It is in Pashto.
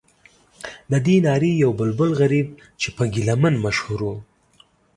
ددې نارې یو بلبل غریب چې په ګیله من مشهور و.